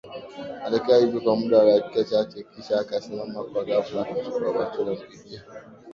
Alikaa hivyo kwa muda wa dakika chache kisha akasimama kwa ghafla akachukua bastola mbili